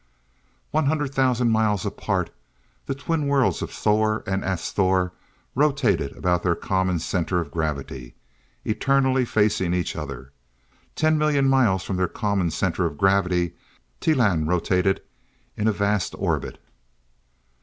One hundred thousand miles apart, the twin worlds Sthor and Asthor rotated about their common center of gravity, eternally facing each other. Ten million miles from their common center of gravity, Teelan rotated in a vast orbit.